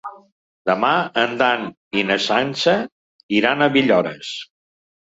Demà en Dan i na Sança iran a Villores.